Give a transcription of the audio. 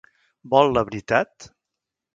Vol la veritat?